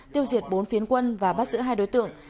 tiêu diệt bốn phiến quân và bắt giữ hai đối tượng